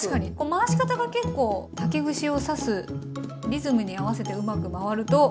回し方が結構竹串を刺すリズムに合わせてうまく回ると。